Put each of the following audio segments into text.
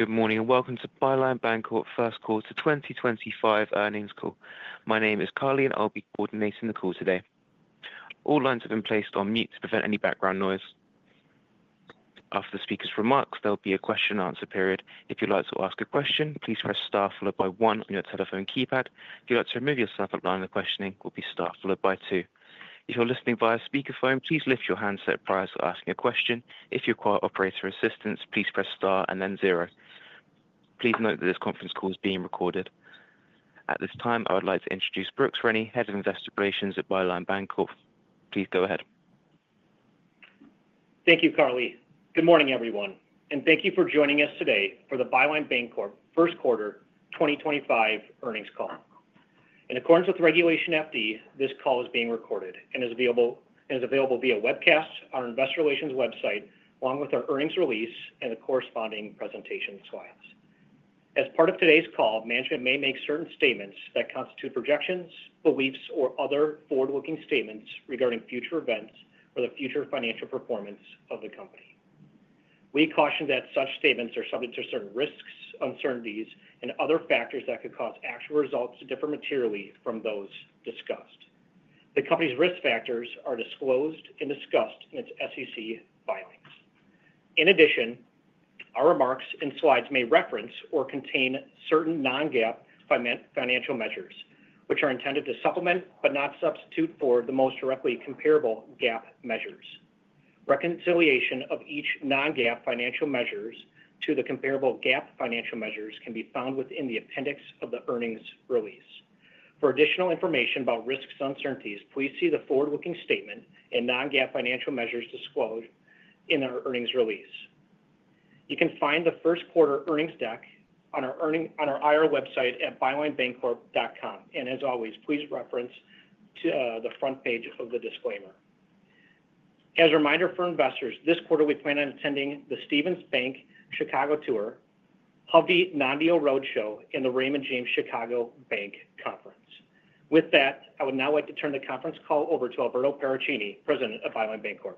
Good morning and welcome to Byline Bancorp First Quarter 2025 Earnings Call. My name is Carly, and I'll be coordinating the call today. All lines have been placed on mute to prevent any background noise. After the speaker's remarks, there'll be a question-and-answer period. If you'd like to ask a question, please press star followed by one on your telephone keypad. If you'd like to remove yourself from the questioning, it will be star followed by two. If you're listening via speakerphone, please lift your handset to speak prior to asking a question. If you require operator assistance, please press star and then zero. Please note that this conference call is being recorded. At this time, I would like to introduce Brooks Rennie, Head of Investor Relations at Byline Bancorp. Please go ahead. Thank you, Carly. Good morning, everyone, and thank you for joining us today for the Byline Bancorp First Quarter 2025 Earnings Call. In accordance with Regulation FD, this call is being recorded and is available via webcast on our Investor Relations website, along with our earnings release and the corresponding presentation slides. As part of today's call, management may make certain statements that constitute projections, beliefs, or other forward-looking statements regarding future events or the future financial performance of the company. We caution that such statements are subject to certain risks, uncertainties, and other factors that could cause actual results to differ materially from those discussed. The company's risk factors are disclosed and discussed in its SEC filings. In addition, our remarks and slides may reference or contain certain non-GAAP financial measures, which are intended to supplement but not substitute for the most directly comparable GAAP measures. Reconciliation of each non-GAAP financial measure to the comparable GAAP financial measures can be found within the appendix of the earnings release. For additional information about risks and uncertainties, please see the forward-looking statement and non-GAAP financial measures disclosed in our earnings release. You can find the first quarter earnings deck on our IR website at bylinebancorp.com. As always, please reference the front page of the disclaimer. As a reminder for investors, this quarter we plan on attending the Stephens Bank Chicago Tour, Hovde Non-Deal Roadshow, and the Raymond James Chicago Bank Conference. With that, I would now like to turn the conference call over to Alberto Paracchini, President of Byline Bancorp.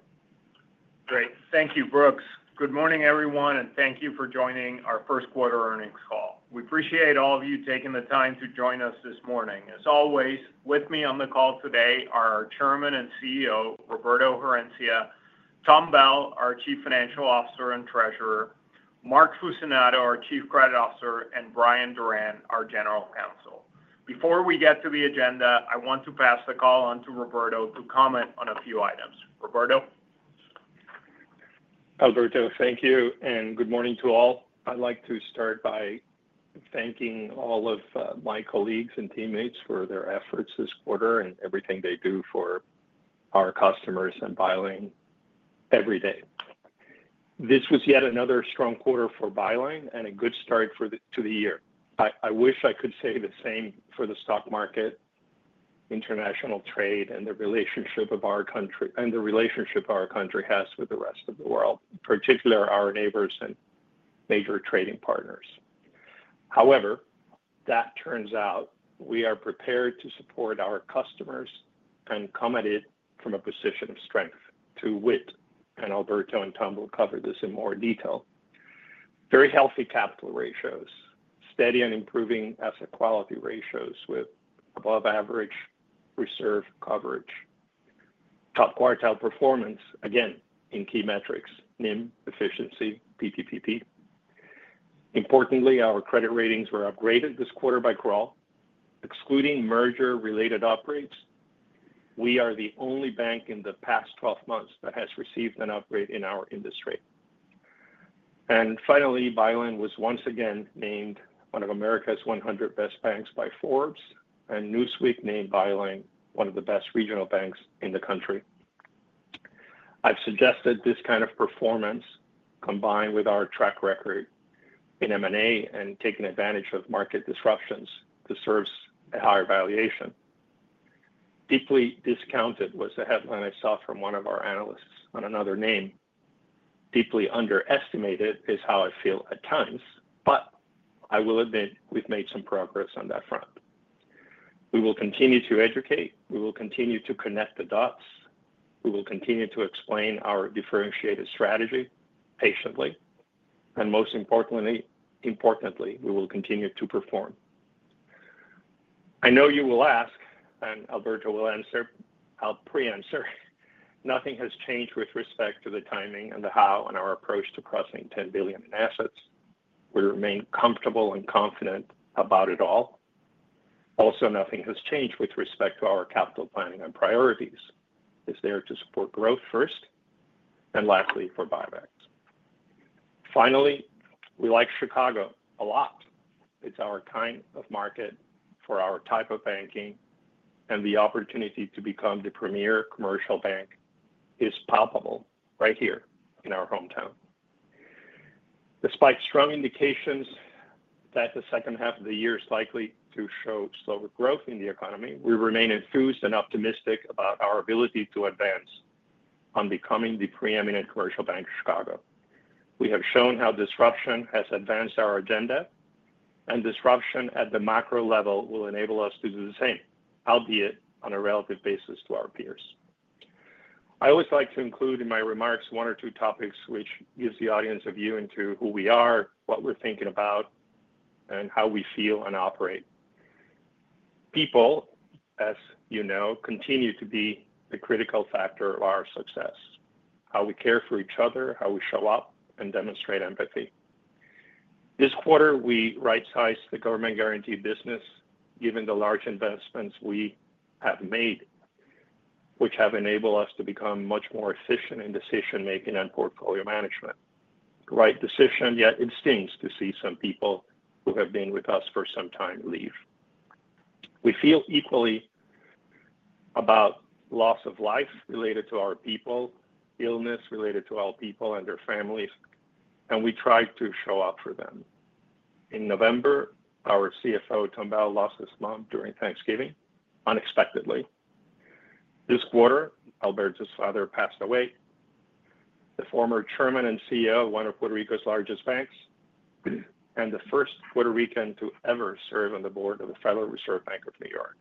Great. Thank you, Brooks. Good morning, everyone, and thank you for joining our first quarter earnings call. We appreciate all of you taking the time to join us this morning. As always, with me on the call today are our Chairman and CEO, Roberto Herencia, Tom Bell, our Chief Financial Officer and Treasurer, Mark Fucinato, our Chief Credit Officer, and Brian Doran, our General Counsel. Before we get to the agenda, I want to pass the call on to Roberto to comment on a few items. Roberto. Alberto, thank you, and good morning to all. I'd like to start by thanking all of my colleagues and teammates for their efforts this quarter and everything they do for our customers and Byline every day. This was yet another strong quarter for Byline and a good start to the year. I wish I could say the same for the stock market, international trade, and the relationship of our country and the relationship our country has with the rest of the world, particularly our neighbors and major trading partners. However, as it turns out we are prepared to support our customers and come at it from a position of strength. To wit, and Alberto and Tom will cover this in more detail. Very healthy capital ratios, steady and improving asset quality ratios with above-average reserve coverage. Top quartile performance, again, in key metrics: NIM, efficiency, PTPP. Importantly, our credit ratings were upgraded this quarter by Kroll, excluding merger-related upgrades. We are the only bank in the past 12 months that has received an upgrade in our industry. Finally, Byline was once again named one of America's 100 best banks by Forbes, and Newsweek named Byline one of the best regional banks in the country. I have suggested this kind of performance, combined with our track record in M&A and taking advantage of market disruptions, deserves a higher valuation. "Deeply discounted," was the headline I saw from one of our analysts on another name. "Deeply underestimated" is how I feel at times, but I will admit we have made some progress on that front. We will continue to educate. We will continue to connect the dots. We will continue to explain our differentiated strategy patiently. Most importantly, we will continue to perform. I know you will ask, and Alberto will answer. I'll pre-answer. Nothing has changed with respect to the timing and the how and our approach to crossing $10 billion in assets. We remain comfortable and confident about it all. Also, nothing has changed with respect to our capital planning and priorities. It's there to support growth first, and lastly, for buybacks. Finally, we like Chicago a lot. It's our kind of market for our type of banking, and the opportunity to become the premier commercial bank is palpable right here in our hometown. Despite strong indications that the second half of the year is likely to show slower growth in the economy, we remain enthused and optimistic about our ability to advance on becoming the preeminent commercial bank of Chicago. We have shown how disruption has advanced our agenda, and disruption at the macro level will enable us to do the same, albeit on a relative basis to our peers. I always like to include in my remarks one or two topics, which gives the audience a view into who we are, what we're thinking about, and how we feel and operate. People, as you know, continue to be the critical factor of our success: how we care for each other, how we show up, and demonstrate empathy. This quarter, we right-sized the government-guaranteed business, given the large investments we have made, which have enabled us to become much more efficient in decision-making and portfolio management. Right decision, yet it stings to see some people who have been with us for some time leave. We feel equally about loss of life related to our people, illness related to our people and their families, and we try to show up for them. In November, our CFO, Tom Bell, lost his mom during Thanksgiving, unexpectedly. This quarter, Alberto's father passed away, the former Chairman and CEO of one of Puerto Rico's largest banks, and the first Puerto Rican to ever serve on the board of the Federal Reserve Bank of New York,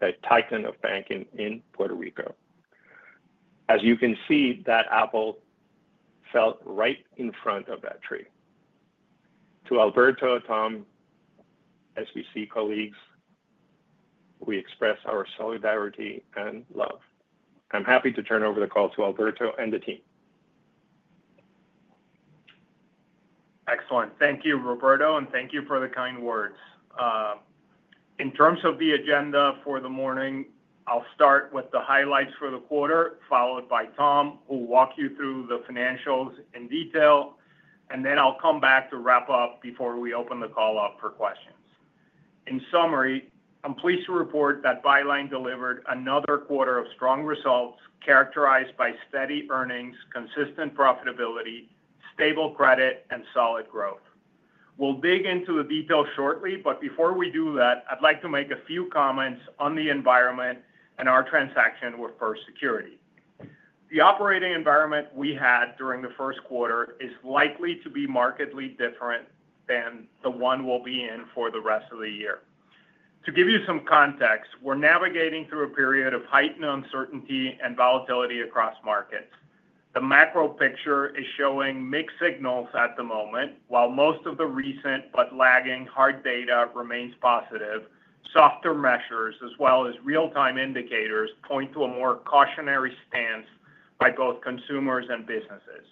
a titan of banking in Puerto Rico. As you can see, that apple fell right in front of that tree. To Alberto, Tom, SBC colleagues, we express our solidarity and love. I'm happy to turn over the call to Alberto and the team. Excellent. Thank you, Roberto, and thank you for the kind words. In terms of the agenda for the morning, I'll start with the highlights for the quarter, followed by Tom, who will walk you through the financials in detail, and then I'll come back to wrap up before we open the call up for questions. In summary, I'm pleased to report that Byline delivered another quarter of strong results characterized by steady earnings, consistent profitability, stable credit, and solid growth. We'll dig into the details shortly, but before we do that, I'd like to make a few comments on the environment and our transaction with First Security. The operating environment we had during the first quarter is likely to be markedly different than the one we'll be in for the rest of the year. To give you some context, we're navigating through a period of heightened uncertainty and volatility across markets. The macro picture is showing mixed signals at the moment. While most of the recent but lagging hard data remains positive, softer measures, as well as real-time indicators, point to a more cautionary stance by both consumers and businesses.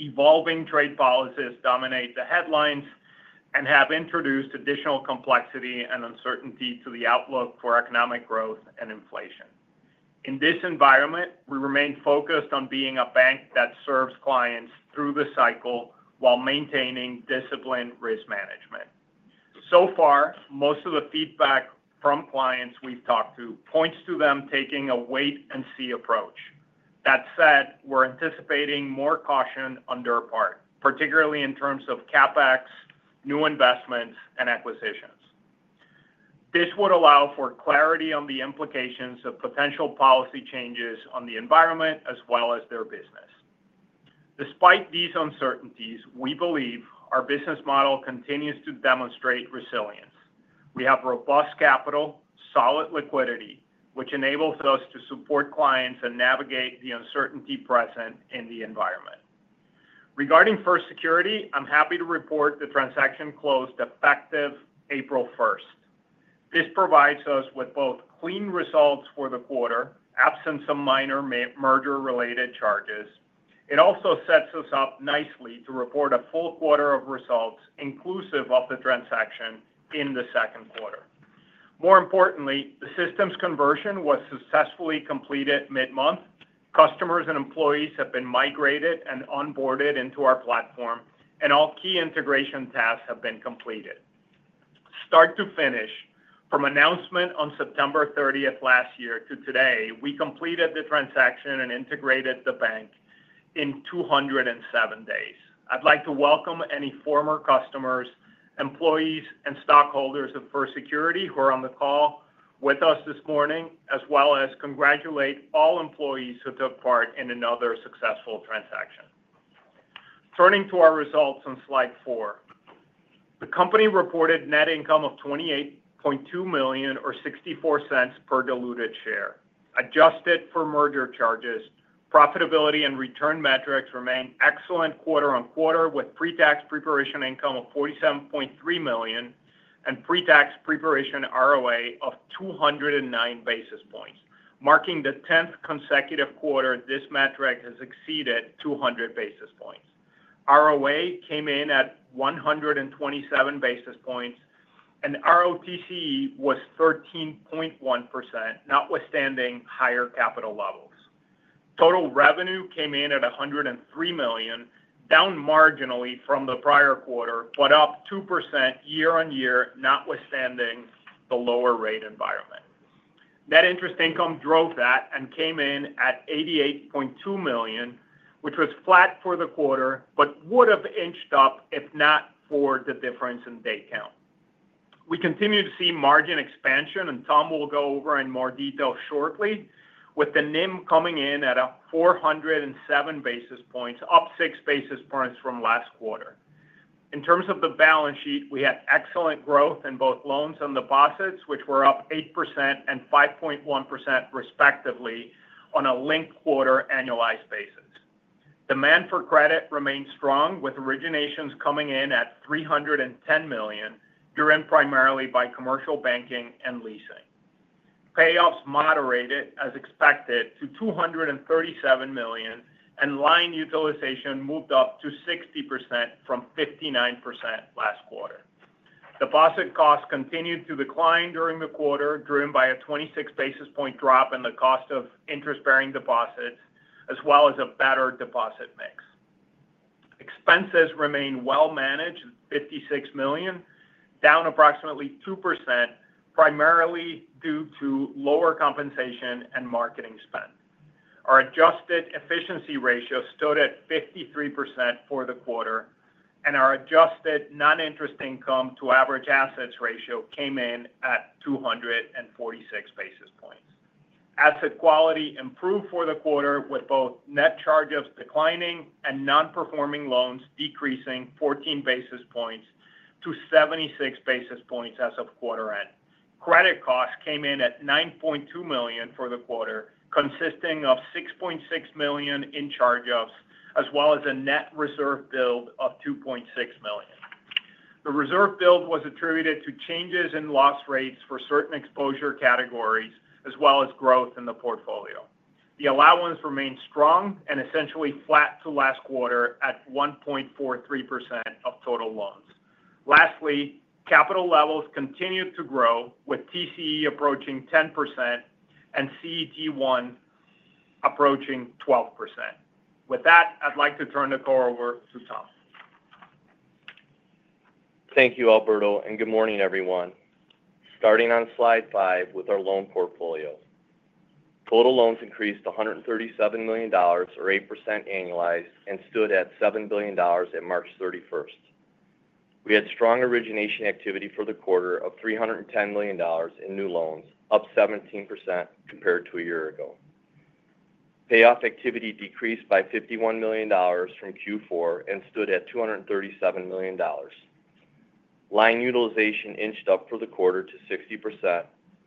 Evolving trade policies dominate the headlines and have introduced additional complexity and uncertainty to the outlook for economic growth and inflation. In this environment, we remain focused on being a bank that serves clients through the cycle while maintaining disciplined risk management. So far, most of the feedback from clients we've talked to points to them taking a wait-and-see approach. That said, we're anticipating more caution on their part, particularly in terms of CapEx, new investments, and acquisitions. This would allow for clarity on the implications of potential policy changes on the environment as well as their business. Despite these uncertainties, we believe our business model continues to demonstrate resilience. We have robust capital, solid liquidity, which enables us to support clients and navigate the uncertainty present in the environment. Regarding First Security, I'm happy to report the transaction closed effective April 1. This provides us with both clean results for the quarter, absence of minor merger-related charges. It also sets us up nicely to report a full quarter of results, inclusive of the transaction, in the second quarter. More importantly, the system's conversion was successfully completed mid-month. Customers and employees have been migrated and onboarded into our platform, and all key integration tasks have been completed. Start to finish, from announcement on September 30th last year to today, we completed the transaction and integrated the bank in 207 days. I'd like to welcome any former customers, employees, and stockholders of First Security who are on the call with us this morning, as well as congratulate all employees who took part in another successful transaction. Turning to our results on slide four, the company reported net income of $28.2 million, or 64 cents per diluted share, adjusted for merger charges. Profitability and return metrics remain excellent quarter on quarter, with pre-tax pre-provision income of $47.3 million and pre-tax pre-provision ROA of 209 basis points, marking the 10th consecutive quarter this metric has exceeded 200 basis points. ROA came in at 127 basis points, and ROTC was 13.1%, notwithstanding higher capital levels. Total revenue came in at $103 million, down marginally from the prior quarter, but up 2% year on year, notwithstanding the lower rate environment. Net interest income drove that and came in at $88.2 million, which was flat for the quarter, but would have inched up if not for the difference in day count. We continue to see margin expansion, and Tom will go over in more detail shortly, with the NIM coming in at 407 basis points, up 6 basis points from last quarter. In terms of the balance sheet, we had excellent growth in both loans and deposits, which were up 8% and 5.1%, respectively, on a linked quarter annualized basis. Demand for credit remained strong, with originations coming in at $310 million, driven primarily by commercial banking and leasing. Payoffs moderated, as expected, to $237 million, and line utilization moved up to 60% from 59% last quarter. Deposit costs continued to decline during the quarter, driven by a 26 basis point drop in the cost of interest-bearing deposits, as well as a better deposit mix. Expenses remained well managed, $56 million, down approximately 2%, primarily due to lower compensation and marketing spend. Our adjusted efficiency ratio stood at 53% for the quarter, and our adjusted non-interest income to average assets ratio came in at 246 basis points. Asset quality improved for the quarter, with both net charges declining and non-performing loans decreasing 14 basis points to 76 basis points as of quarter end. Credit costs came in at $9.2 million for the quarter, consisting of $6.6 million in charge-offs, as well as a net reserve build of $2.6 million. The reserve build was attributed to changes in loss rates for certain exposure categories, as well as growth in the portfolio. The allowance remained strong and essentially flat to last quarter at 1.43% of total loans. Lastly, capital levels continued to grow, with TCE approaching 10% and CET1 approaching 12%. With that, I'd like to turn the call over to Tom. Thank you, Alberto, and good morning, everyone. Starting on slide five with our loan portfolio. Total loans increased $137 million, or 8% annualized, and stood at $7 billion at March 31. We had strong origination activity for the quarter of $310 million in new loans, up 17% compared to a year ago. Payoff activity decreased by $51 million from Q4 and stood at $237 million. Line utilization inched up for the quarter to 60%,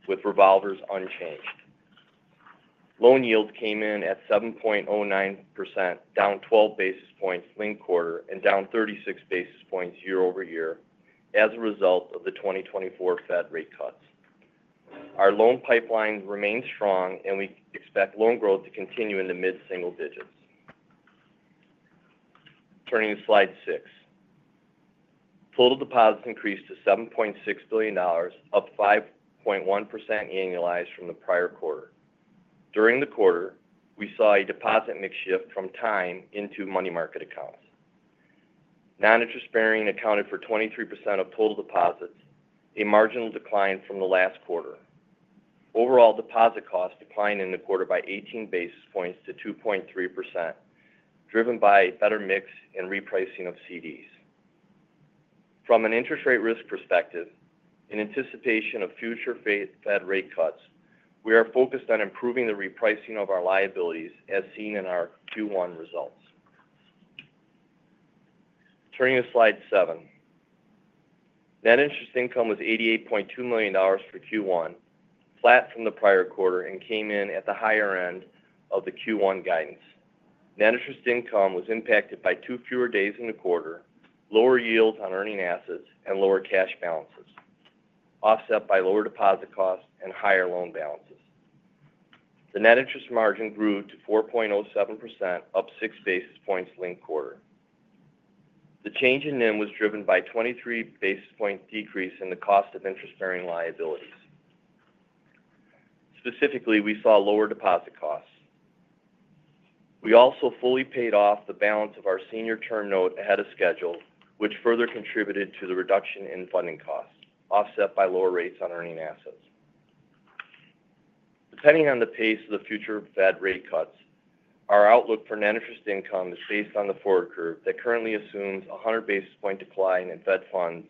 with revolvers unchanged. Loan yields came in at 7.09%, down 12 basis points linked quarter, and down 36 basis points year over year as a result of the 2024 Fed rate cuts. Our loan pipeline remains strong, and we expect loan growth to continue in the mid-single digits. Turning to slide six, total deposits increased to $7.6 billion, up 5.1% annualized from the prior quarter. During the quarter, we saw a deposit mix shift from time into money market accounts. Non-interest bearing accounted for 23% of total deposits, a marginal decline from the last quarter. Overall deposit costs declined in the quarter by 18 basis points to 2.3%, driven by better mix and repricing of CDs. From an interest rate risk perspective, in anticipation of future Fed rate cuts, we are focused on improving the repricing of our liabilities, as seen in our Q1 results. Turning to slide seven, net interest income was $88.2 million for Q1, flat from the prior quarter, and came in at the higher end of the Q1 guidance. Net interest income was impacted by two fewer days in the quarter, lower yields on earning assets, and lower cash balances, offset by lower deposit costs and higher loan balances. The net interest margin grew to 4.07%, up 6 basis points linked quarter. The change in NIM was driven by a 23 basis point decrease in the cost of interest-bearing liabilities. Specifically, we saw lower deposit costs. We also fully paid off the balance of our senior term note ahead of schedule, which further contributed to the reduction in funding costs, offset by lower rates on earning assets. Depending on the pace of the future Fed rate cuts, our outlook for net interest income is based on the forward curve that currently assumes a 100 basis point decline in Fed funds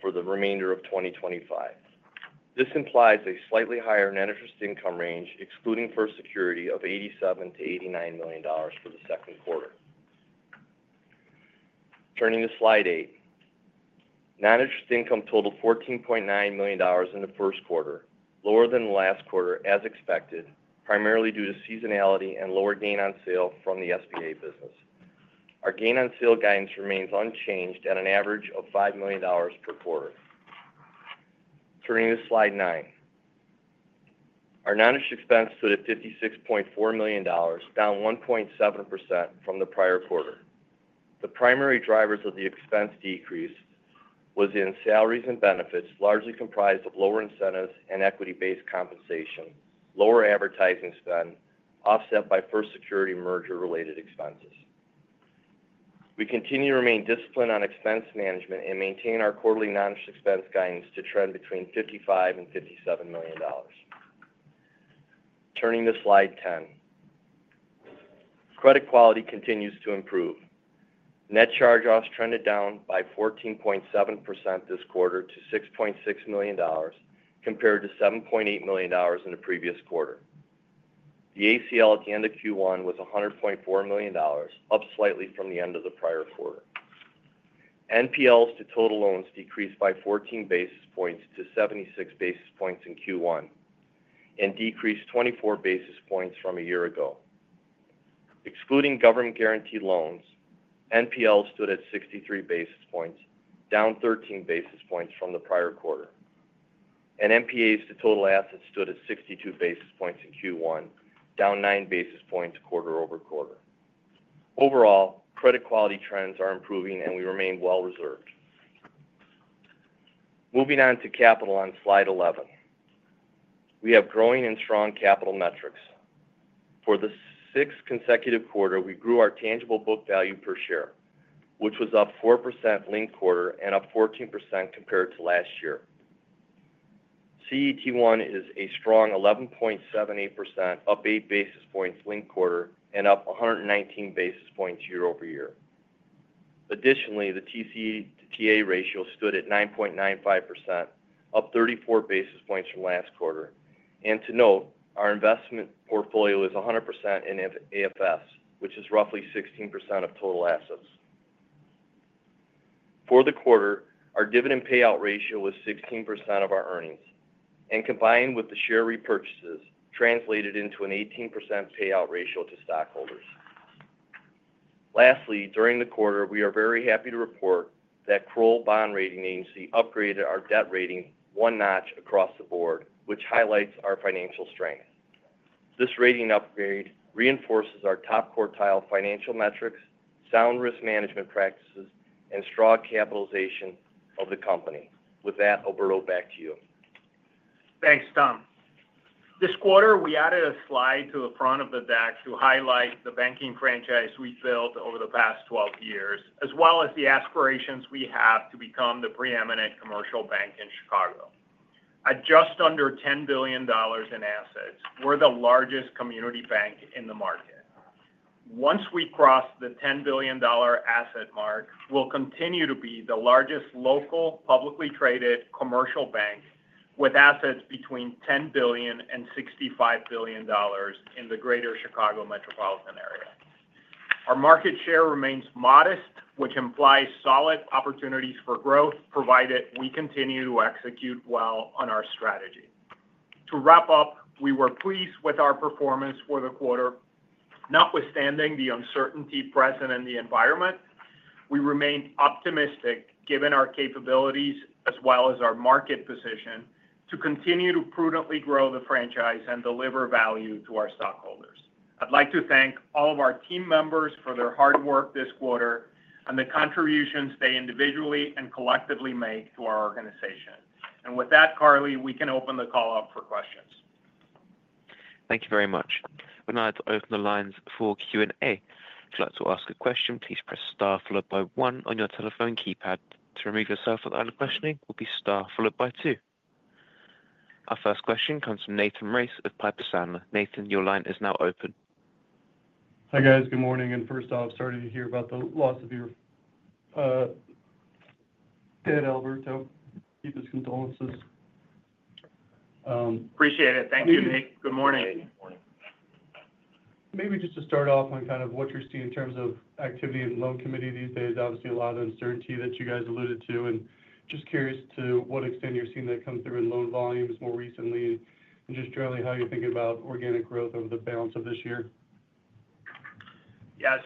for the remainder of 2025. This implies a slightly higher net interest income range, excluding First Security, of $87 million -$89 million for the second quarter. Turning to slide eight, net interest income totaled $14.9 million in the first quarter, lower than the last quarter, as expected, primarily due to seasonality and lower gain on sale from the SBA business. Our gain on sale guidance remains unchanged at an average of $5 million per quarter. Turning to slide nine, our non-interest expense stood at $56.4 million, down 1.7% from the prior quarter. The primary drivers of the expense decrease were salaries and benefits, largely comprised of lower incentives and equity-based compensation, lower advertising spend, offset by First Security merger-related expenses. We continue to remain disciplined on expense management and maintain our quarterly non-interest expense guidance to trend between $55 and $57 million. Turning to slide ten, credit quality continues to improve. Net charge-offs trended down by 14.7% this quarter to $6.6 million, compared to $7.8 million in the previous quarter. The ACL at the end of Q1 was $100.4 million, up slightly from the end of the prior quarter. NPLs to total loans decreased by 14 basis points to 76 basis points in Q1 and decreased 24 basis points from a year ago. Excluding government-guaranteed loans, NPLs stood at 63 basis points, down 13 basis points from the prior quarter. NPAs to total assets stood at 62 basis points in Q1, down 9 basis points quarter over quarter. Overall, credit quality trends are improving, and we remain well reserved. Moving on to capital on slide 11, we have growing and strong capital metrics. For the sixth consecutive quarter, we grew our tangible book value per share, which was up 4% linked quarter and up 14% compared to last year. CET1 is a strong 11.78%, up 8 basis points linked quarter and up 119 basis points year over year. Additionally, the TCE to TA ratio stood at 9.95%, up 34 basis points from last quarter. Our investment portfolio is 100% in AFS, which is roughly 16% of total assets. For the quarter, our dividend payout ratio was 16% of our earnings, and combined with the share repurchases, translated into an 18% payout ratio to stockholders. Lastly, during the quarter, we are very happy to report that Kroll Bond Rating Agency upgraded our debt rating one notch across the board, which highlights our financial strength. This rating upgrade reinforces our top quartile financial metrics, sound risk management practices, and strong capitalization of the company. With that, Alberto, back to you. Thanks, Tom. This quarter, we added a slide to the front of the deck to highlight the banking franchise we've built over the past 12 years, as well as the aspirations we have to become the preeminent commercial bank in Chicago. At just under $10 billion in assets, we're the largest community bank in the market. Once we cross the $10 billion asset mark, we'll continue to be the largest local publicly traded commercial bank with assets between $10 billion and $65 billion in the greater Chicago metropolitan area. Our market share remains modest, which implies solid opportunities for growth, provided we continue to execute well on our strategy. To wrap up, we were pleased with our performance for the quarter. Notwithstanding the uncertainty present in the environment, we remained optimistic, given our capabilities as well as our market position, to continue to prudently grow the franchise and deliver value to our stockholders. I'd like to thank all of our team members for their hard work this quarter and the contributions they individually and collectively make to our organization. With that, Carly, we can open the call up for questions. Thank you very much. We're now to open the lines for Q&A. If you'd like to ask a question, please press star followed by one on your telephone keypad. To remove yourself without questioning, it will be star followed by two. Our first question comes from Nathan Race of Piper Sandler. Nathan, your line is now open. Hi guys, good morning. First off, sorry to hear about the loss of your dad, Alberto. Keep his condolences. Appreciate it. Thank you, Nate. Good morning. Maybe just to start off on kind of what you're seeing in terms of activity in the loan committee these days, obviously a lot of uncertainty that you guys alluded to. Just curious to what extent you're seeing that come through in loan volumes more recently and just generally how you're thinking about organic growth over the balance of this year. Yeah,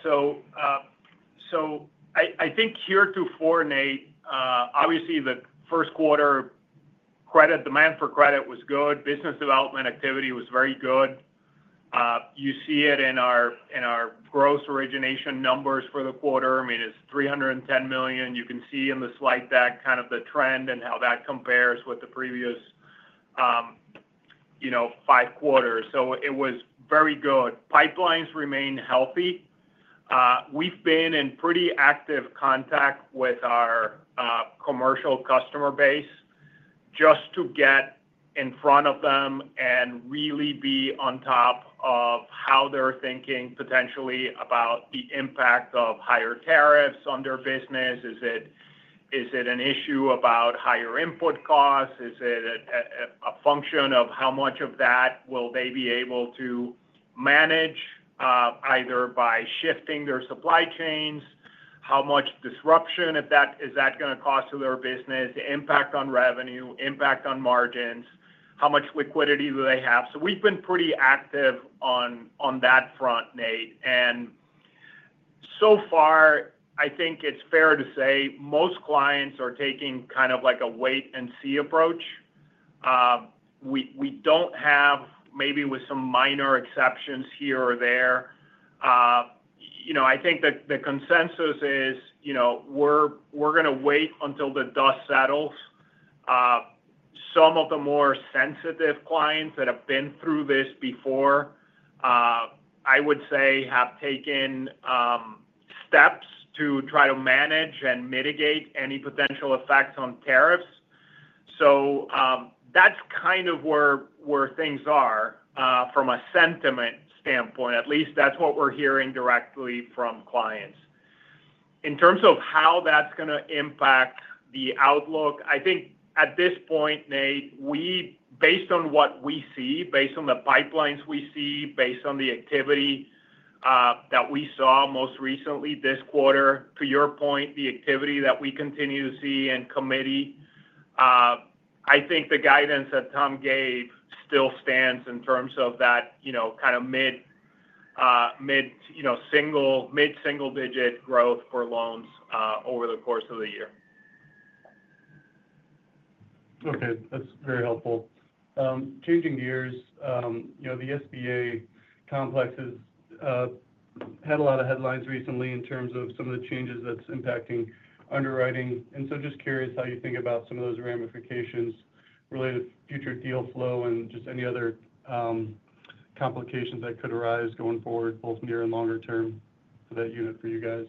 I think heretofore Nate, obviously the first quarter credit demand for credit was good. Business development activity was very good. You see it in our gross origination numbers for the quarter. I mean, it's $310 million. You can see in the slide deck kind of the trend and how that compares with the previous five quarters. It was very good. Pipelines remain healthy. We've been in pretty active contact with our commercial customer base just to get in front of them and really be on top of how they're thinking potentially about the impact of higher tariffs on their business. Is it an issue about higher input costs? Is it a function of how much of that will they be able to manage either by shifting their supply chains? How much disruption is that going to cause to their business? The impact on revenue, impact on margins, how much liquidity do they have? We've been pretty active on that front, Nate. So far, I think it's fair to say most clients are taking kind of like a wait-and-see approach. We don't have, maybe with some minor exceptions here or there. I think that the consensus is we're going to wait until the dust settles. Some of the more sensitive clients that have been through this before, I would say, have taken steps to try to manage and mitigate any potential effects on tariffs. That's kind of where things are from a sentiment standpoint. At least that's what we're hearing directly from clients. In terms of how that's going to impact the outlook, I think at this point, Nate, based on what we see, based on the pipelines we see, based on the activity that we saw most recently this quarter, to your point, the activity that we continue to see in committee, I think the guidance that Tom gave still stands in terms of that kind of mid-single digit growth for loans over the course of the year. Okay, that's very helpful. Changing gears, the SBA complex has had a lot of headlines recently in terms of some of the changes that's impacting underwriting. Just curious how you think about some of those ramifications related to future deal flow and just any other complications that could arise going forward, both near and longer term for that unit for you guys.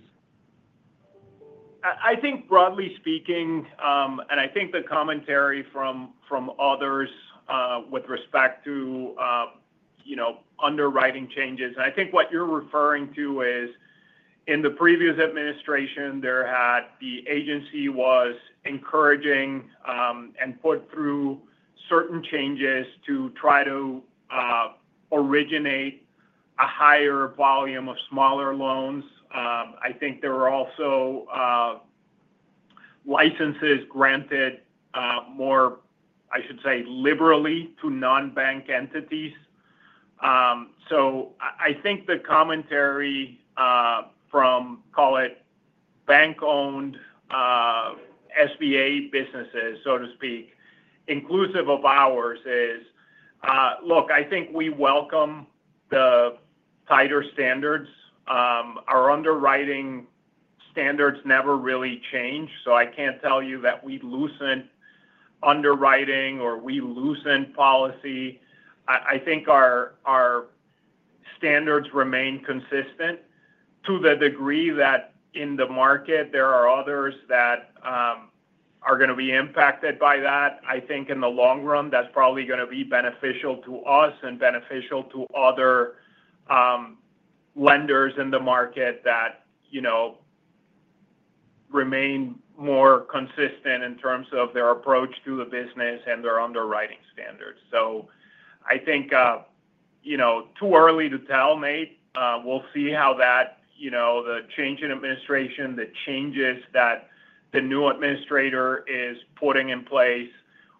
I think broadly speaking, and I think the commentary from others with respect to underwriting changes, and I think what you're referring to is in the previous administration, the agency was encouraging and put through certain changes to try to originate a higher volume of smaller loans. I think there were also licenses granted more, I should say, liberally to non-bank entities. I think the commentary from, call it bank-owned SBA businesses, so to speak, inclusive of ours, is, "Look, I think we welcome the tighter standards. Our underwriting standards never really change." I can't tell you that we loosened underwriting or we loosened policy. I think our standards remain consistent to the degree that in the market, there are others that are going to be impacted by that. I think in the long run, that's probably going to be beneficial to us and beneficial to other lenders in the market that remain more consistent in terms of their approach to the business and their underwriting standards. I think too early to tell, Nate. We'll see how that, the change in administration, the changes that the new administrator is putting in place.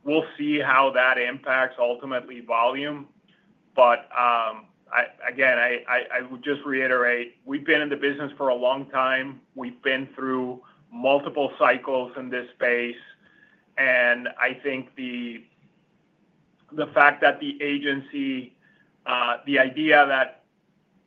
We'll see how that impacts ultimately volume. Again, I would just reiterate, we've been in the business for a long time. We've been through multiple cycles in this space. I think the fact that the agency, the idea that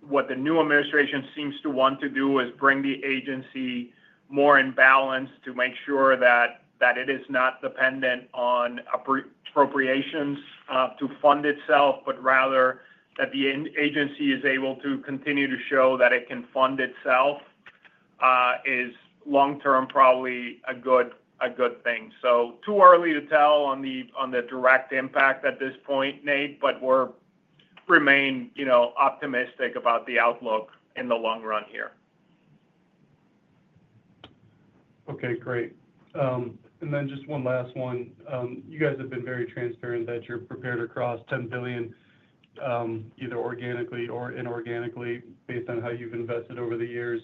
what the new administration seems to want to do is bring the agency more in balance to make sure that it is not dependent on appropriations to fund itself, but rather that the agency is able to continue to show that it can fund itself is long-term probably a good thing. Too early to tell on the direct impact at this point, Nate. We are remaining optimistic about the outlook in the long run here. Okay, great. Just one last one. You guys have been very transparent that you're prepared to cross $10 billion either organically or inorganically based on how you've invested over the years.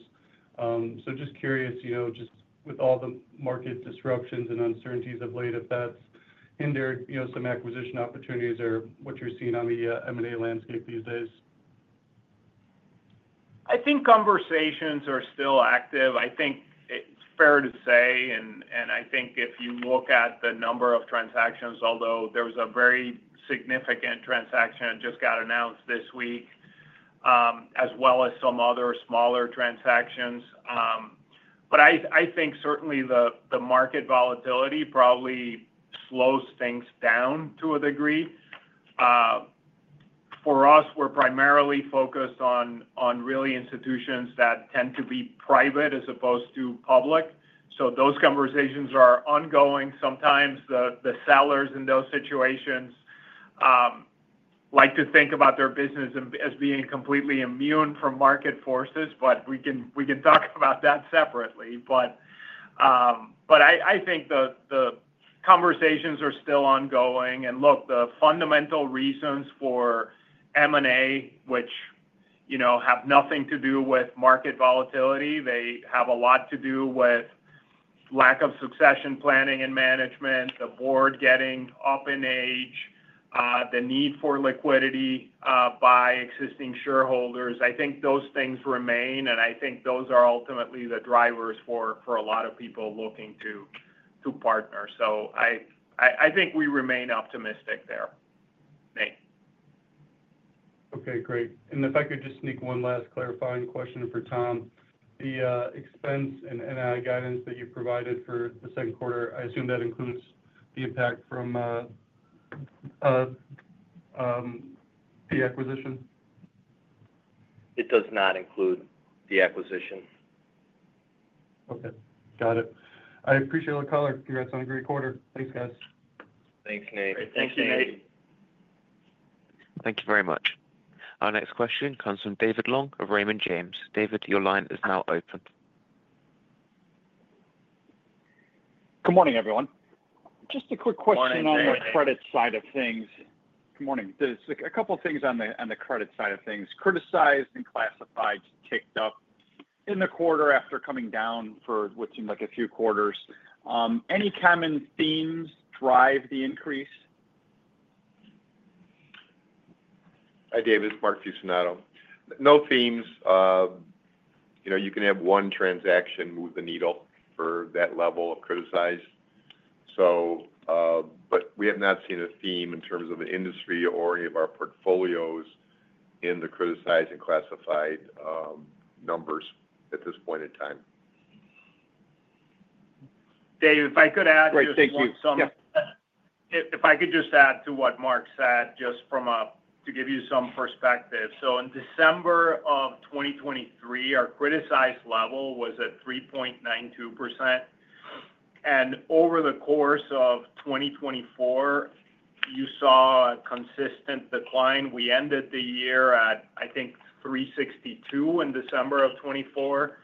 Just curious, with all the market disruptions and uncertainties of late, if that's hindered some acquisition opportunities or what you're seeing on the M&A landscape these days? I think conversations are still active. I think it's fair to say. I think if you look at the number of transactions, although there was a very significant transaction just got announced this week, as well as some other smaller transactions. I think certainly the market volatility probably slows things down to a degree. For us, we're primarily focused on really institutions that tend to be private as opposed to public. Those conversations are ongoing. Sometimes the sellers in those situations like to think about their business as being completely immune from market forces. We can talk about that separately. I think the conversations are still ongoing. Look, the fundamental reasons for M&A, which have nothing to do with market volatility, they have a lot to do with lack of succession planning and management, the board getting up in age, the need for liquidity by existing shareholders. I think those things remain. I think those are ultimately the drivers for a lot of people looking to partner. I think we remain optimistic there, Nate. Okay, great. If I could just sneak one last clarifying question for Tom, the expense and guidance that you provided for the second quarter, I assume that includes the impact from the acquisition? It does not include the acquisition. Okay, got it. I appreciate it, Carly. Congrats on a great quarter. Thanks, guys. Thanks, Nate. Thanks, Nate. Thank you very much. Our next question comes from David Long of Raymond James. David, your line is now open. Good morning, everyone. Just a quick question on the credit side of things. Good morning. There's a couple of things on the credit side of things. Criticized and classified ticked up in the quarter after coming down for what seemed like a few quarters. Any common themes drive the increase? Hi, David. Mark Fucinato. No themes. You can have one transaction move the needle for that level of criticized. We have not seen a theme in terms of the industry or any of our portfolios in the criticized and classified numbers at this point in time. David, if I could add to. Great, thank you. If I could just add to what Mark said just to give you some perspective. In December of 2023, our criticized level was at 3.92%. Over the course of 2024, you saw a consistent decline. We ended the year at, I think, 3.62% in December of 2024.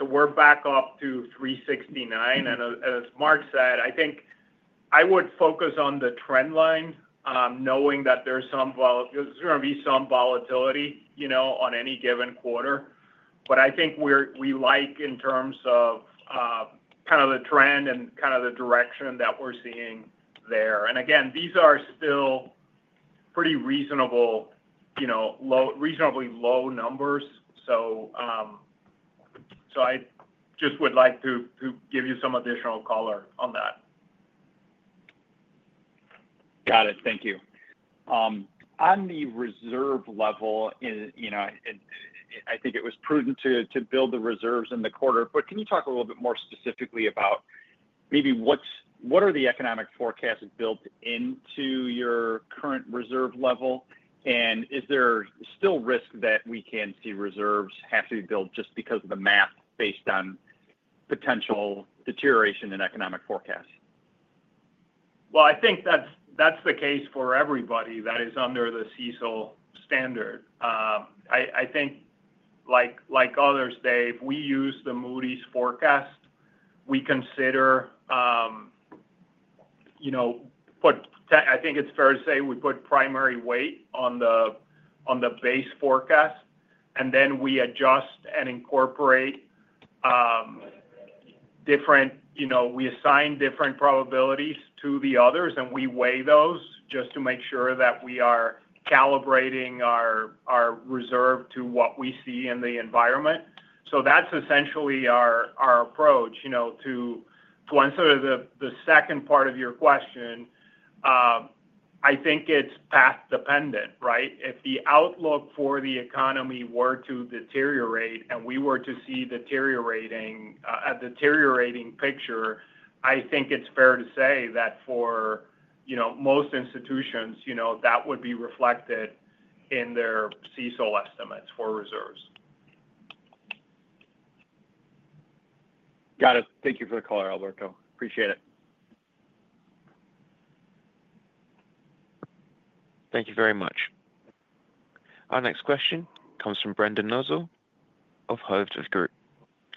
We are back up to 3.69%. As Mark said, I think I would focus on the trend line, knowing that there is going to be some volatility on any given quarter. I think we like, in terms of the trend and the direction that we are seeing there. These are still pretty reasonably low numbers. I just would like to give you some additional color on that. Got it. Thank you. On the reserve level, I think it was prudent to build the reserves in the quarter. Can you talk a little bit more specifically about maybe what are the economic forecasts built into your current reserve level? Is there still risk that we can see reserves have to be built just because of the math based on potential deterioration in economic forecasts? I think that's the case for everybody that is under the CECL standard. I think like others, Dave, we use the Moody's forecast. We consider, I think it's fair to say, we put primary weight on the base forecast. We adjust and incorporate different, we assign different probabilities to the others, and we weigh those just to make sure that we are calibrating our reserve to what we see in the environment. That's essentially our approach. To answer the second part of your question, I think it's path dependent, right? If the outlook for the economy were to deteriorate and we were to see a deteriorating picture, I think it's fair to say that for most institutions, that would be reflected in their CECL estimates for reserves. Got it. Thank you for the call, Alberto. Appreciate it. Thank you very much. Our next question comes from Brendan Nosal of Hovde Group.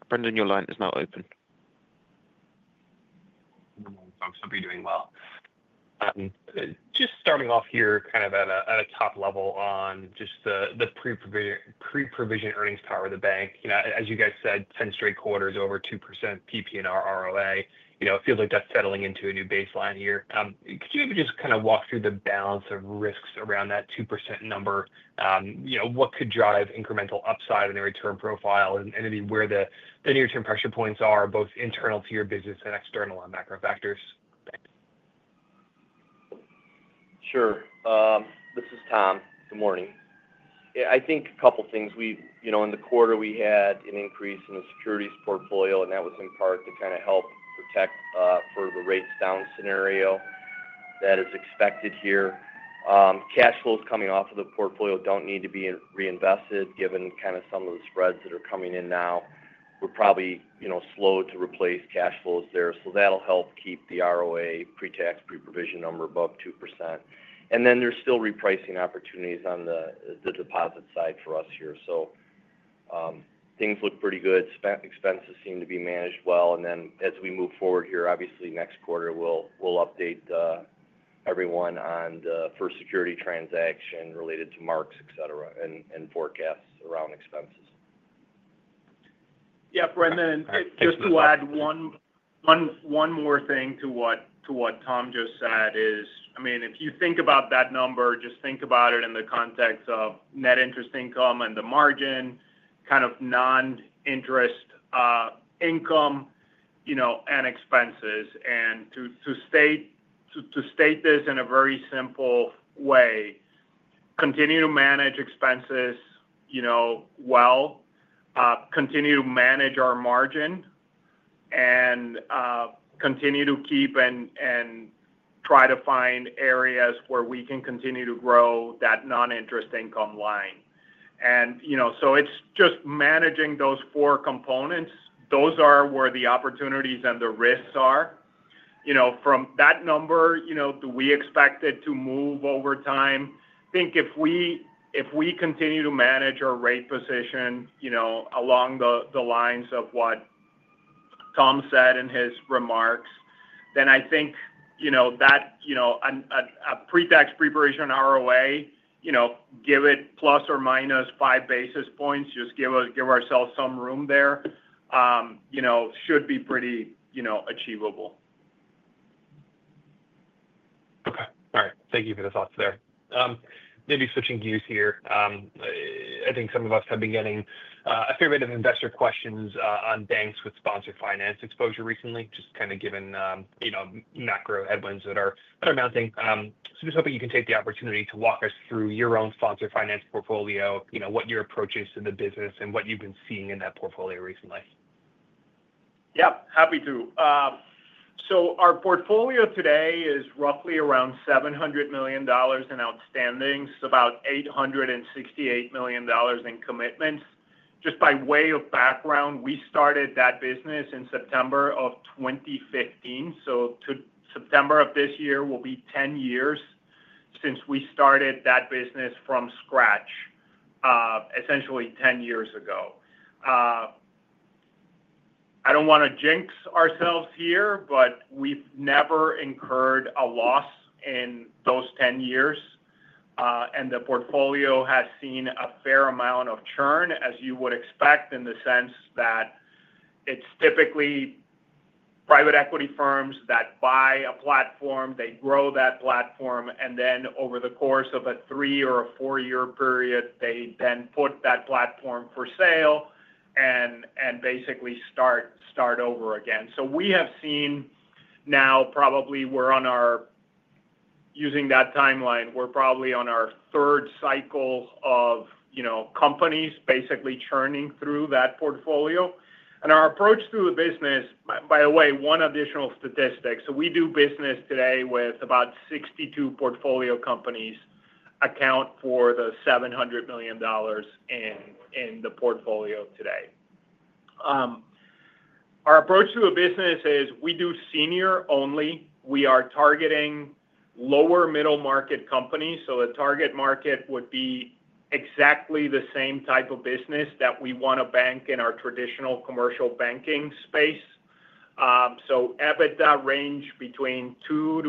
Brendan, your line is now open. Folks will be doing well. Just starting off here kind of at a top level on just the pre-provision earnings power of the bank. As you guys said, 10 straight quarters, over 2% PP and ROA. It feels like that's settling into a new baseline here. Could you maybe just kind of walk through the balance of risks around that 2% number? What could drive incremental upside in the return profile and maybe where the near-term pressure points are, both internal to your business and external on macro factors? Sure. This is Tom. Good morning. I think a couple of things. In the quarter, we had an increase in the securities portfolio, and that was in part to kind of help protect for the rates down scenario that is expected here. Cash flows coming off of the portfolio do not need to be reinvested given kind of some of the spreads that are coming in now. We are probably slow to replace cash flows there. That will help keep the ROA pre-tax, pre-provision number above 2%. There are still repricing opportunities on the deposit side for us here. Things look pretty good. Expenses seem to be managed well. As we move forward here, obviously next quarter, we will update everyone on the First Security transaction related to marks, etc., and forecasts around expenses. Yeah, Brendan, just to add one more thing to what Tom just said is, I mean, if you think about that number, just think about it in the context of net interest income and the margin, kind of non-interest income and expenses. To state this in a very simple way, continue to manage expenses well, continue to manage our margin, and continue to keep and try to find areas where we can continue to grow that non-interest income line. It is just managing those four components. Those are where the opportunities and the risks are. From that number, do we expect it to move over time? I think if we continue to manage our rate position along the lines of what Tom said in his remarks, then I think that a pre-tax, pre-permission ROA, give it plus or minus five basis points, just give ourselves some room there, should be pretty achievable. Okay. All right. Thank you for the thoughts there. Maybe switching gears here. I think some of us have been getting a fair bit of investor questions on banks with sponsored finance exposure recently, just kind of given macro headwinds that are mounting. Just hoping you can take the opportunity to walk us through your own sponsored finance portfolio, what your approach is to the business, and what you've been seeing in that portfolio recently. Yeah, happy to. Our portfolio today is roughly around $700 million in outstanding, about $868 million in commitments. Just by way of background, we started that business in September of 2015. September of this year will be 10 years since we started that business from scratch, essentially 10 years ago. I do not want to jinx ourselves here, but we have never incurred a loss in those 10 years. The portfolio has seen a fair amount of churn, as you would expect, in the sense that it is typically private equity firms that buy a platform, they grow that platform, and then over the course of a three or a four-year period, they then put that platform for sale and basically start over again. We have seen now probably we are on our, using that timeline, we are probably on our third cycle of companies basically churning through that portfolio. Our approach to the business, by the way, one additional statistic. We do business today with about 62 portfolio companies that account for the $700 million in the portfolio today. Our approach to the business is we do senior only. We are targeting lower middle market companies. The target market would be exactly the same type of business that we want to bank in our traditional commercial banking space. EBITDA range between $2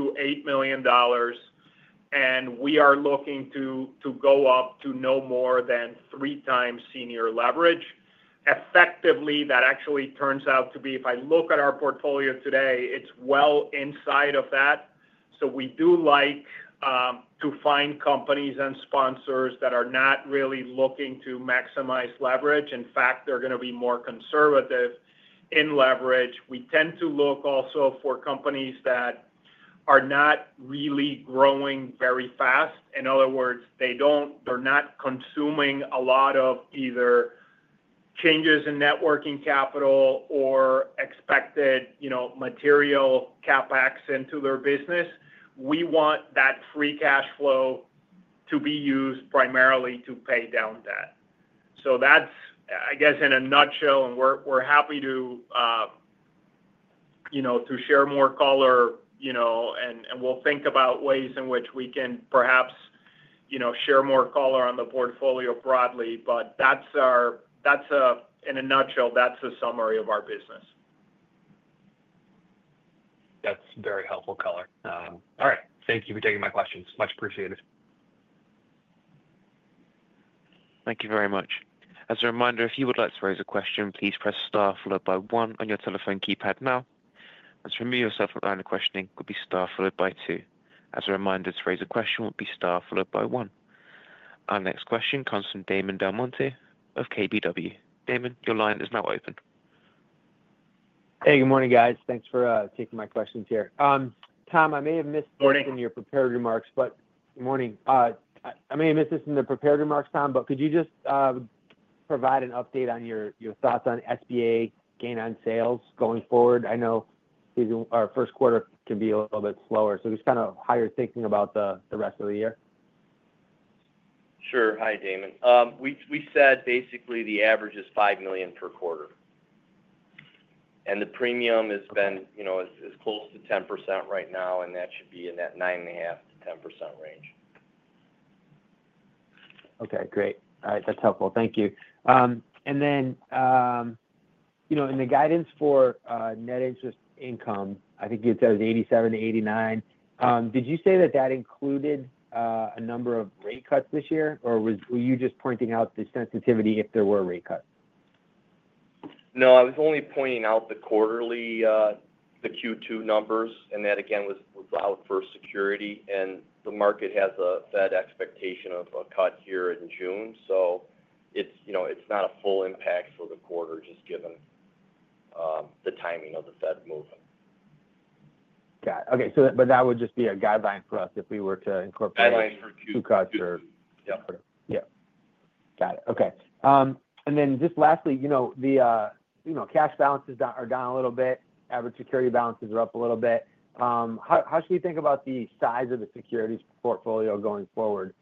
million-$8 million. We are looking to go up to no more than three times senior leverage. Effectively, that actually turns out to be, if I look at our portfolio today, it is well inside of that. We do like to find companies and sponsors that are not really looking to maximize leverage. In fact, they are going to be more conservative in leverage. We tend to look also for companies that are not really growing very fast. In other words, they're not consuming a lot of either changes in net working capital or expected material CapEx into their business. We want that free cash flow to be used primarily to pay down debt. That is, I guess, in a nutshell. We're happy to share more color. We'll think about ways in which we can perhaps share more color on the portfolio broadly. That is, in a nutshell, the summary of our business. That's very helpful, Color. All right. Thank you for taking my questions. Much appreciated. Thank you very much. As a reminder, if you would like to raise a question, please press star followed by one on your telephone keypad now. As for me, yourself, the line of questioning will be star followed by two. As a reminder, to raise a question will be star followed by one. Our next question comes from Damon DelMonte of KBW. Damon, your line is now open. Hey, good morning, guys. Thanks for taking my questions here. Tom, I may have missed this in your prepared remarks, but good morning. I may have missed this in the prepared remarks, Tom, but could you just provide an update on your thoughts on SBA gain on sales going forward? I know our first quarter can be a little bit slower. Just kind of how you're thinking about the rest of the year. Sure. Hi, Damon. We said basically the average is $5 million per quarter. The premium has been as close to 10% right now, and that should be in that 9.5%-10% range. Okay, great. All right. That's helpful. Thank you. In the guidance for net interest income, I think it says $87 million-$89 million. Did you say that that included a number of rate cuts this year, or were you just pointing out the sensitivity if there were rate cuts? No, I was only pointing out the quarterly, the Q2 numbers, and that again was out for First Security. The market has a Fed expectation of a cut here in June. It is not a full impact for the quarter just given the timing of the Fed move. Got it. Okay. That would just be a guideline for us if we were to incorporate Q2 cuts or. Guideline for Q2. Yeah. Yeah. Got it. Okay. Just lastly, the cash balances are down a little bit. Average security balances are up a little bit. How should we think about the size of the securities portfolio going forward?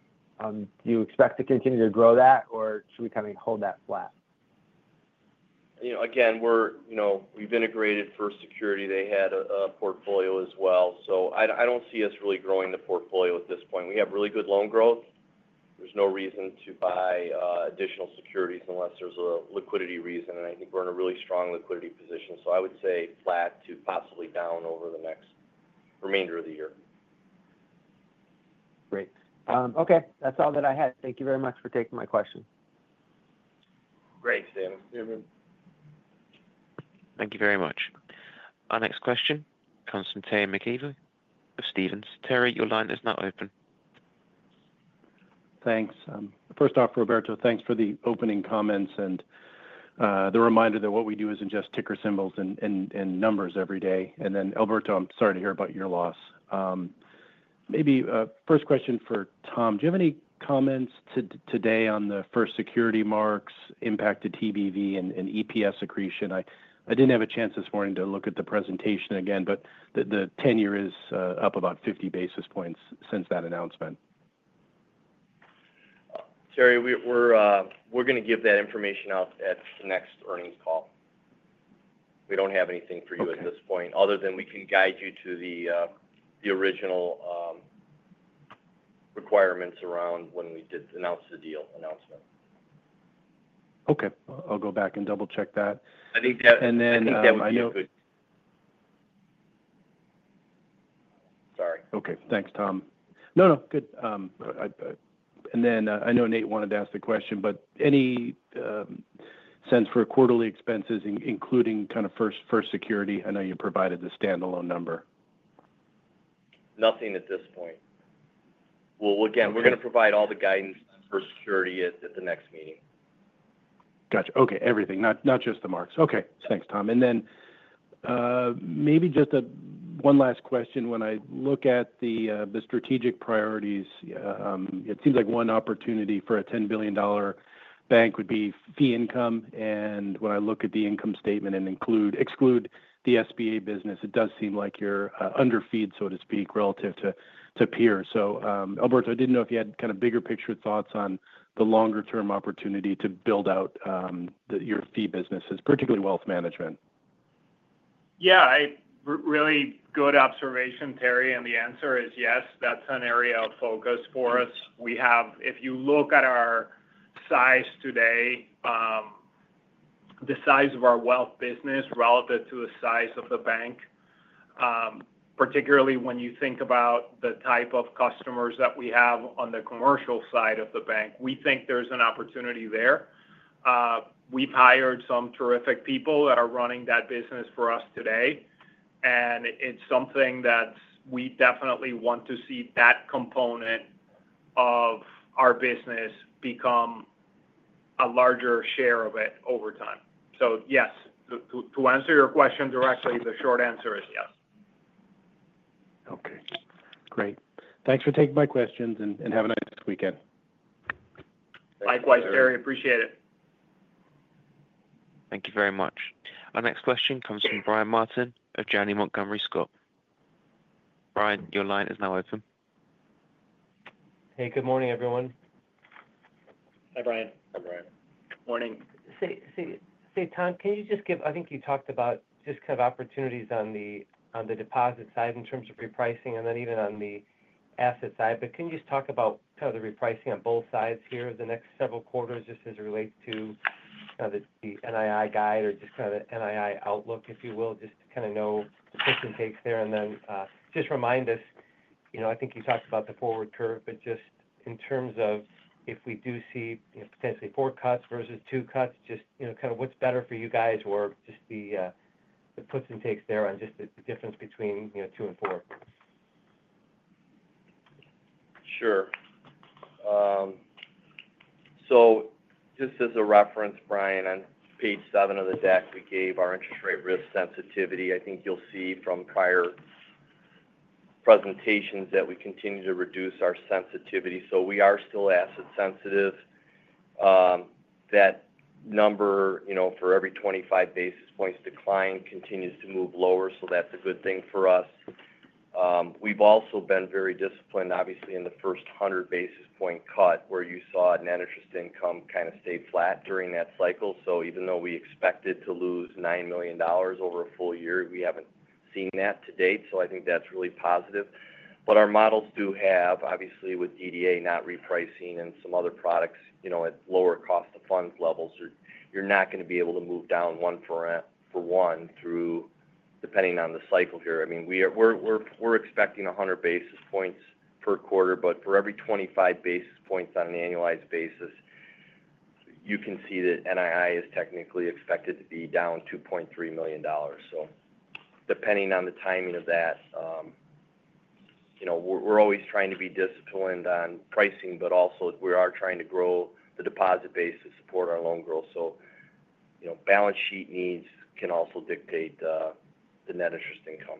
Do you expect to continue to grow that, or should we kind of hold that flat? Again, we've integrated First Security. They had a portfolio as well. I don't see us really growing the portfolio at this point. We have really good loan growth. There's no reason to buy additional securities unless there's a liquidity reason. I think we're in a really strong liquidity position. I would say flat to possibly down over the next remainder of the year. Great. Okay. That's all that I had. Thank you very much for taking my questions. Great, Damon. Thank you very much. Our next question comes from Terry McEvoy of Stephens. Terry, your line is now open. Thanks. First off, Roberto, thanks for the opening comments and the reminder that what we do isn't just ticker symbols and numbers every day. Alberto, I'm sorry to hear about your loss. Maybe first question for Tom, do you have any comments today on the First Security marks impacted TBV and EPS accretion? I didn't have a chance this morning to look at the presentation again, but the tenure is up about 50 basis points since that announcement. Terry, we're going to give that information out at the next earnings call. We don't have anything for you at this point other than we can guide you to the original requirements around when we did announce the deal announcement. Okay. I'll go back and double-check that. I think that would be good. Sorry. Okay. Thanks, Tom. No, no. Good. I know Nate wanted to ask the question, but any sense for quarterly expenses, including kind of First Security? I know you provided the standalone number. Nothing at this point. Again, we're going to provide all the guidance for security at the next meeting. Gotcha. Okay. Everything, not just the marks. Okay. Thanks, Tom. Maybe just one last question. When I look at the strategic priorities, it seems like one opportunity for a $10 billion bank would be fee income. When I look at the income statement and exclude the SBA business, it does seem like you're underfeed, so to speak, relative to peers. Alberto, I did not know if you had kind of bigger picture thoughts on the longer-term opportunity to build out your fee businesses, particularly wealth management. Yeah. Really good observation, Terry. The answer is yes. That is an area of focus for us. If you look at our size today, the size of our wealth business relative to the size of the bank, particularly when you think about the type of customers that we have on the commercial side of the bank, we think there is an opportunity there. We have hired some terrific people that are running that business for us today. It is something that we definitely want to see, that component of our business become a larger share of it over time. Yes, to answer your question directly, the short answer is yes. Okay. Great. Thanks for taking my questions and have a nice weekend. Likewise, Terry. Appreciate it. Thank you very much. Our next question comes from Brian Martin of Janney Montgomery Scott. Brian, your line is now open. Hey, good morning, everyone. Hi, Brian. Hi, Brian. Morning. Hey, Tom, can you just give, I think you talked about just kind of opportunities on the deposit side in terms of repricing and then even on the asset side. Can you just talk about kind of the repricing on both sides here over the next several quarters just as it relates to the NII guide or just kind of the NII outlook, if you will, just to kind of know the push and takes there? Just remind us, I think you talked about the forward curve, but just in terms of if we do see potentially four cuts versus two cuts, just kind of what's better for you guys or just the push and takes there on just the difference between two and four. Sure. Just as a reference, Brian, on page seven of the deck we gave our interest rate risk sensitivity. I think you'll see from prior presentations that we continue to reduce our sensitivity. We are still asset sensitive. That number for every 25 basis points decline continues to move lower. That's a good thing for us. We've also been very disciplined, obviously, in the first 100 basis point cut where you saw net interest income kind of stayed flat during that cycle. Even though we expected to lose $9 million over a full year, we haven't seen that to date. I think that's really positive. Our models do have, obviously, with DDA not repricing and some other products at lower cost of funds levels, you're not going to be able to move down one for one through depending on the cycle here. I mean, we're expecting 100 basis points per quarter, but for every 25 basis points on an annualized basis, you can see that NII is technically expected to be down $2.3 million. Depending on the timing of that, we're always trying to be disciplined on pricing, but also we are trying to grow the deposit base to support our loan growth. Balance sheet needs can also dictate the net interest income.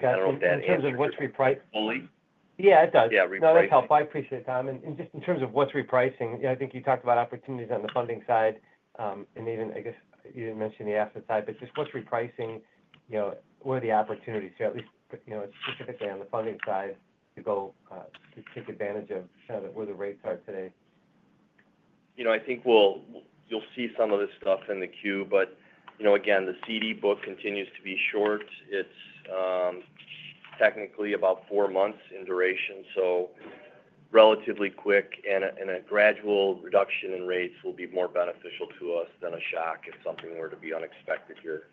Gotcha. In terms of what's repriced. Fully? Yeah, it does. Yeah. Reprice. No, that's helpful. I appreciate it, Tom. Just in terms of what's repricing, I think you talked about opportunities on the funding side. I guess you didn't mention the asset side, but just what's repricing, what are the opportunities here, at least specifically on the funding side to go take advantage of kind of where the rates are today? I think you'll see some of this stuff in the queue. The CD book continues to be short. It's technically about four months in duration. Relatively quick and a gradual reduction in rates will be more beneficial to us than a shock if something were to be unexpected here.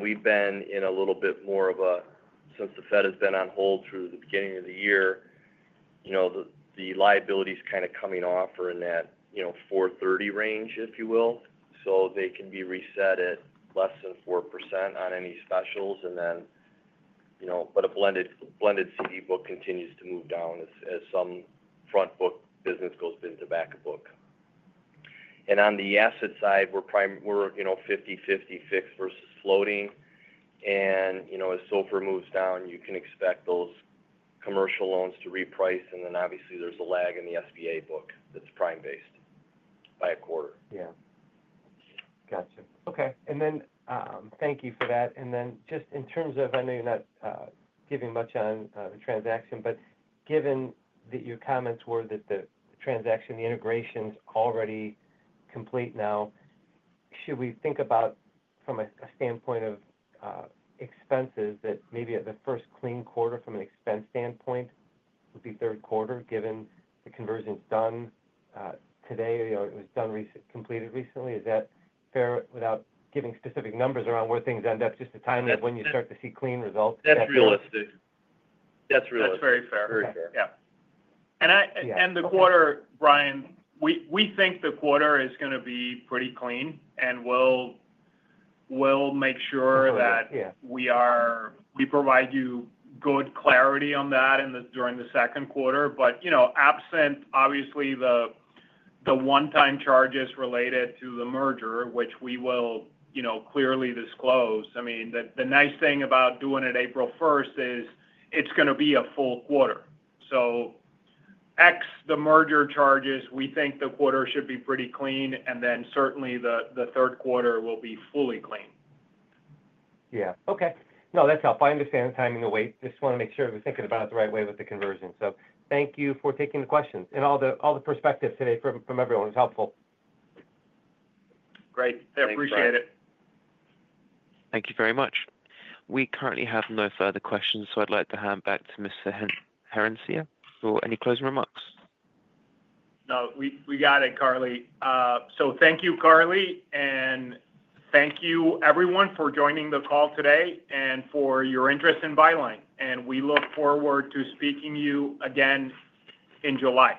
We've been in a little bit more of a, since the Fed has been on hold through the beginning of the year, the liability is kind of coming off or in that 430 range, if you will. They can be reset at less than 4% on any specials. A blended CD book continues to move down as some front book business goes bid to back of book. On the asset side, we're 50/50 fixed versus floating. As SOFR moves down, you can expect those commercial loans to reprice. Obviously, there's a lag in the SBA book that's prime-based by a quarter. Yeah. Gotcha. Okay. Thank you for that. Just in terms of, I know you're not giving much on the transaction, but given that your comments were that the transaction, the integration is already complete now, should we think about from a standpoint of expenses that maybe the first clean quarter from an expense standpoint would be third quarter given the conversion's done today or it was completed recently? Is that fair without giving specific numbers around where things end up, just the timing of when you start to see clean results? That's realistic. That's realistic. That's very fair. Very fair. Yeah. The quarter, Brian, we think the quarter is going to be pretty clean. We will make sure that we provide you good clarity on that during the second quarter. Absent, obviously, the one-time charges related to the merger, which we will clearly disclose, I mean, the nice thing about doing it April 1st is it is going to be a full quarter. Ex the merger charges, we think the quarter should be pretty clean. Certainly, the third quarter will be fully clean. Yeah. Okay. No, that's helpful. I understand the timing of wait. Just want to make sure we're thinking about it the right way with the conversion. Thank you for taking the questions and all the perspectives today from everyone. It was helpful. Great. I appreciate it. Thank you very much. We currently have no further questions, so I'd like to hand back to Mr. Herencia for any closing remarks. We got it, Carly. Thank you, Carly. Thank you, everyone, for joining the call today and for your interest in Byline. We look forward to speaking to you again in July.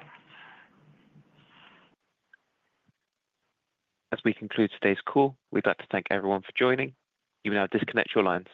As we conclude today's call, we'd like to thank everyone for joining. You may now disconnect your lines.